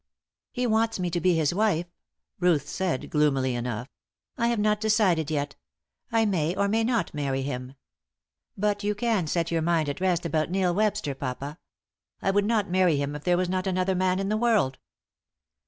"He wants me to be his wife," Ruth said, gloomily enough. "I have not decided yet; I may or may not marry him. But you can set your mind at rest about Neil Webster, papa. I would not marry him if there was not another man in the world."